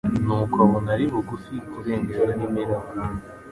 nuko abona ari bugufi kurengerwa n'imiraba.